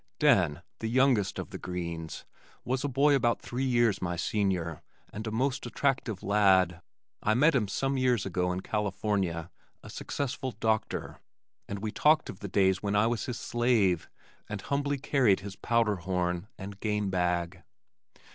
Den, the youngest of the Greens, was a boy about three years my senior, and a most attractive lad. I met him some years ago in California, a successful doctor, and we talked of the days when I was his slave and humbly carried his powder horn and game bag.